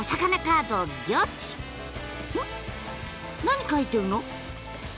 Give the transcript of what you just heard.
何描いてるの？